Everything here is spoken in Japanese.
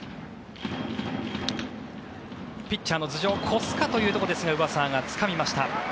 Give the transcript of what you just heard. ピッチャーの頭上越すかというところですが上沢がつかみました。